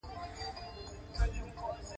د محصل لپاره نوښت د مسلک پرمختګ ته لار ده.